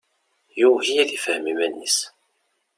Yugi ad ifhem iman-is.